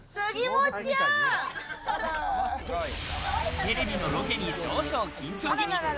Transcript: テレビのロケに少々、緊張気味。